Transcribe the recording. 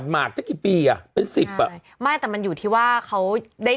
มันคำน่ารักอะเออ